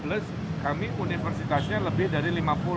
plus kami universitasnya lebih dari lima puluh